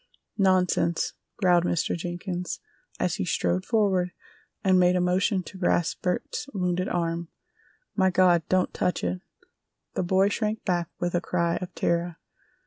"Nonsense!" growled Mr. Jenkins, as he strode forward and made a motion to grasp Bert's wounded arm. "My God, don't touch it!" The boy shrank back with a cry of terror.